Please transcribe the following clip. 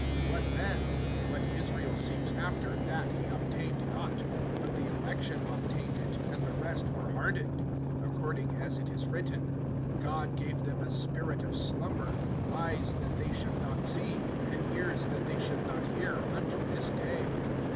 ] (7)What then? What Israel seeks after, that he obtained not; but the election obtained it, and the rest were hardened. (8)According as it is written: God gave them a spirit of slumber, eyes that they should not see, and ears that they should not hear, unto this day.